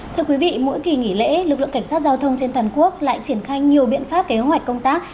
thưa quý vị mỗi kỳ nghỉ lễ lực lượng cảnh sát giao thông trên toàn quốc lại triển khai nhiều biện pháp kế hoạch công tác